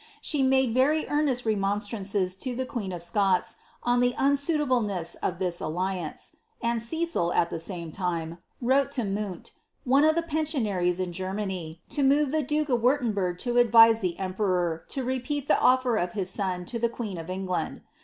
She mad very earnest remonstrances to the queen of Scots on the unsuiiablene* of this alliance; and Cecil, at the same lime, wrote to Mundt,' one d the pensionaries in Geniiany. lo move the duke of Wirtemburg to adna the emperor lo repeal tlie ofler of his sou to the queen of England.